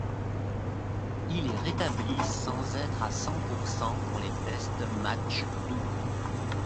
Il est rétabli sans être à cent pour cent pour les tests matchs d'août.